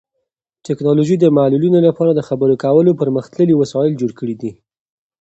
ټیکنالوژي د معلولینو لپاره د خبرو کولو پرمختللي وسایل جوړ کړي دي.